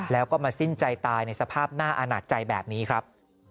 แล้วก็มาสิ้นใจตายในสภาพหน้าอาณาจใจแบบนี้ครับ